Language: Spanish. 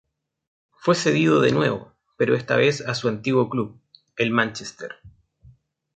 Fue cedido de nuevo, pero esta vez a su antiguo club, el Manchester.